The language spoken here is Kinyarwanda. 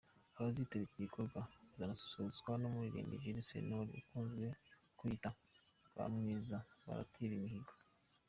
Abazitabira iki gikorwa bazanasusurutswa n’umuririmbyi Jules Sentore ukunze kwiyita ’Rwamwiza baratira imihigo’.